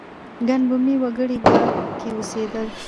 ګڼ بومي وګړي په کې اوسېدل.